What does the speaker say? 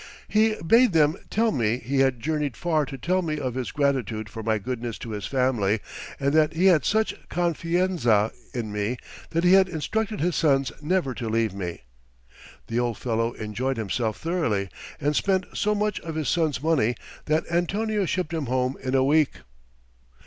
He bade them tell me he had journeyed far to tell me of his gratitude for my goodness to his family and that he had such confienza in me that he had instructed his sons never to leave me. The old fellow enjoyed himself thoroughly, and spent so much of his son's money that Antonio shipped him home in a week."